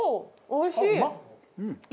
おいしい！